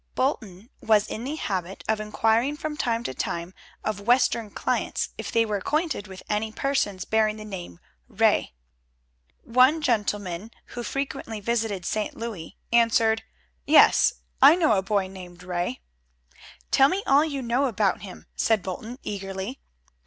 Bolton was in the habit of inquiring from time to time of Western clients if they were acquainted with any persons bearing the name Ray. One gentleman, who frequently visited St. Louis, answered, "Yes, I know a boy named Ray." "Tell me all you know about him," said Bolton eagerly.